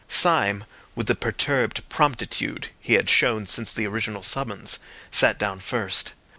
Syme, with the perturbed promptitude he had shown since the original summons, sat down first.